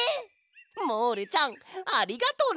モールちゃんありがとね！